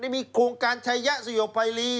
มีโครงการชัยยะสยบภัยรี